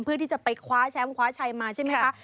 เพื่อที่จะไปคว้าแชมป์คว้าชัยมาใช่ไหมคะ